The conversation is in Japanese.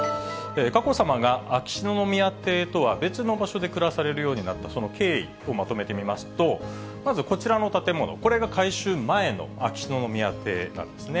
佳子さまが秋篠宮邸とは別の場所で暮らされるようになった、その経緯をまとめてみますと、まずこちらの建物、これが改修前の秋篠宮邸なんですね。